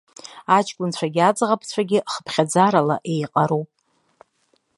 Аҷкәынцәагьы аӡӷабцәагьы хыԥхьаӡарала еиҟароуп.